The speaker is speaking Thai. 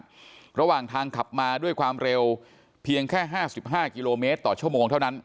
ระหว่างทางขับมาด้วยความเร็วเพียงแค่๕๕กิโลเมตรต่อชั่วโมงเท่านั้น